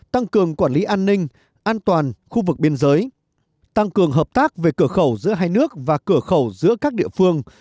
tăng cường quản lý an ninh an toàn khu vực biên giới tăng cường hợp tác về cửa khẩu giữa hai nước và cửa khẩu giữa các địa phương